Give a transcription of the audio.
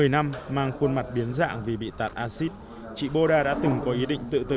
một mươi năm mang khuôn mặt biến dạng vì bị tạt acid chị boda đã từng có ý định tự tử